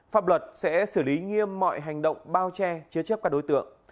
pháp luật sẽ xử lý nghiêm mọi hành động bao che chứa chấp các đối tượng